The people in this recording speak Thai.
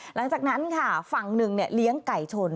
หลังจากนั้นค่ะฝั่งหนึ่งเลี้ยงไก่ชน